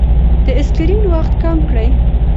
د سکرین وخت کم کړئ.